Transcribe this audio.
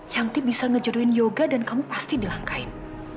yanti bisa ngejodohin yoga dan kamu pasti dilangkain